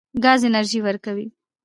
ګاز انرژي ورکوي.